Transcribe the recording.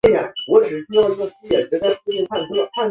本舰为日本海军第一艘向民间造船厂委托承建的大型军舰。